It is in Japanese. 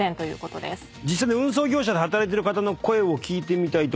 実際の運送業者で働いている方の声を聞いてみたいと思います。